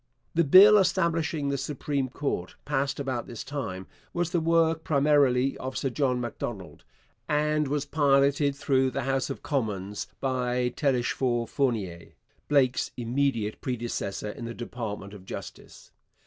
The bill establishing the Supreme Court, passed about this time, was the work primarily of Sir John Macdonald, and was piloted through the House of Commons by Telesphore Fournier, Blake's immediate predecessor in the department of Justice.